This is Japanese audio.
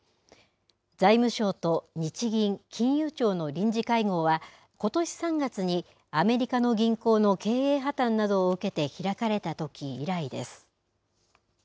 財務省と日銀、金融庁の臨時会合は、ことし３月にアメリカの銀行の経営破綻などを受けて開かれたとき以来です。